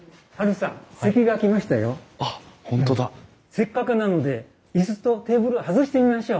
せっかくなので椅子とテーブル外してみましょう。